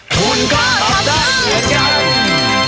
คุณก็ตอบได้เหมือนกัน